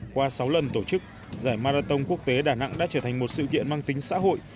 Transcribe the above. qua sáu lần tổ chức giải marathon quốc tế đà nẵng đã trở thành một sự kiện mang tính xã hội